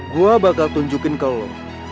gue bakal tunjukin ke lo